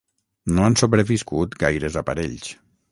No han sobreviscut gaires aparells.